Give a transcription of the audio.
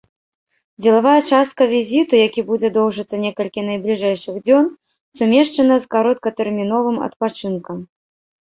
Дзелавая частка візіту, які будзе доўжыцца некалькі найбліжэйшых дзён, сумешчана з кароткатэрміновым адпачынкам.